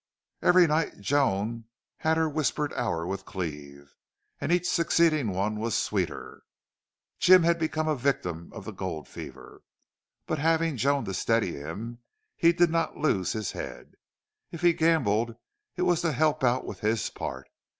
Every night Joan had her whispered hour with Cleve, and each succeeding one was the sweeter. Jim had become a victim of the gold fever. But, having Joan to steady him, he did not lose his head. If he gambled it was to help out with his part.